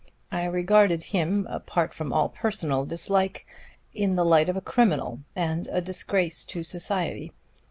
I regarded him, apart from all personal dislike, in the light of a criminal and a disgrace to society.